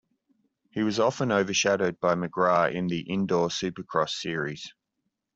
He was often overshadowed by McGrath in the indoor supercross series.